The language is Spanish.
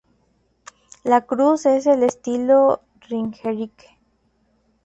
La cruz es del estilo Ringerike.